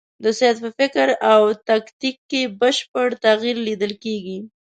د سید په فکر او تاکتیک کې بشپړ تغییر لیدل کېږي.